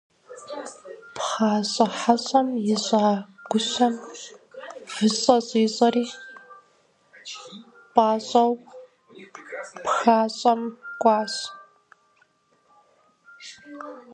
Пхъащӏэ хьэщӏэм ищӏа гущӏэм выщӏэ щӏищӏэри, пӏащӏэу пхащӏэм кӏуащ.